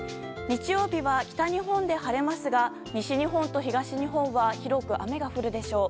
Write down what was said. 日曜日は北日本で晴れますが西日本と東日本は広く雨が降るでしょう。